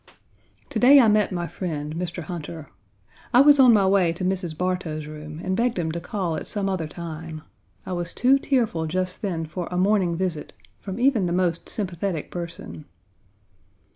To day I met my friend, Mr. Hunter. I was on my way to Mrs. Bartow's room and begged him to call at some other time. I was too tearful just then for a morning visit from even the most sympathetic person.